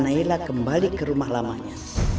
untuk menjaga naila kembali ke rumah lamanya